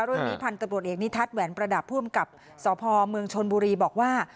รุ่นมิพันธ์ตำรวจเอกนิทัศน์แหวนประดับพ่วนกับสภอเมืองชนบุรีบอกว่า